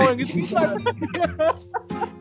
yang gitu kisah anjing